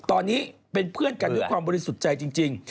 ตอนนี้เป็นเพื่อนกันด้วยความบริสุทธิ์ใจจริง